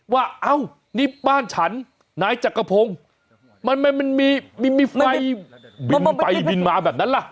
เอ้านี่บ้านฉันนายจักรพงศ์มันมีไฟบินไปบินมาแบบนั้นล่ะ